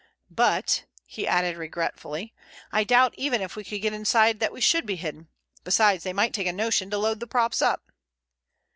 But," he added regretfully, "I doubt even if we could get inside that we should be hidden. Besides, they might take a notion to load the props up."